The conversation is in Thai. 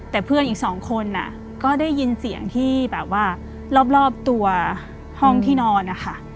แต่เพื่อนอีกสองคนก็ได้ยินเสียงที่แบบว่ารอบตัวห้องที่นอนนะคะ